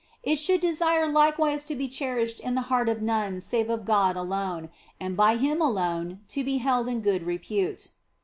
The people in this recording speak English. It should desire likewise to be cherished in the heart of none save of God alone, and by Him alone to be held in good repute.